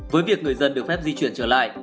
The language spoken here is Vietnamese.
với việc người dân được phép di chuyển trở lại